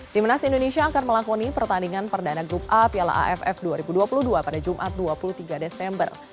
timnas indonesia akan melakoni pertandingan perdana grup a piala aff dua ribu dua puluh dua pada jumat dua puluh tiga desember